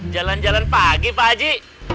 jalan jalan pagi pak aji